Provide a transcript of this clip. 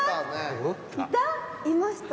いた？